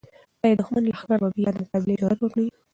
آیا د دښمن لښکر به بیا د مقابلې جرات وکړي؟